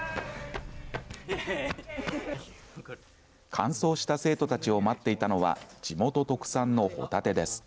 完走した生徒たちを待っていたのは地元特産のホタテです。